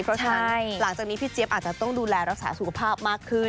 เพราะฉะนั้นหลังจากนี้พี่เจี๊ยบอาจจะต้องดูแลรักษาสุขภาพมากขึ้น